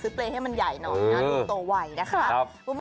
ซื้อเกรงให้มันใหญ่หน่อยนะดูโตวัยนะครับ